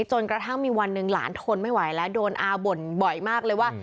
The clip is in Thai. จนกระทั่งมีวันหนึ่งหลานทนไม่ไหวแล้วโดนอาบ่นบ่อยมากเลยว่า